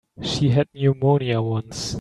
She had pneumonia once.